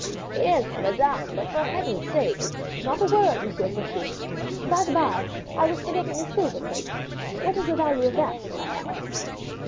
"Yes, madame, but for Heaven's sake " "Not a word, M. Faucheux. By the by, I was forgetting the silver plate. What is the value of that which I have?"